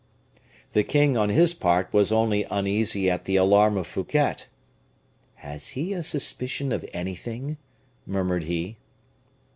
The king, on his part, was only uneasy at the alarm of Fouquet. "Has he a suspicion of anything?" murmured he.